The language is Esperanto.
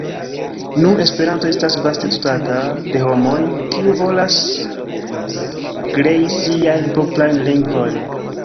Nu, Esperanto estas vaste studata de homoj, kiuj volas krei siajn proprajn lingvojn.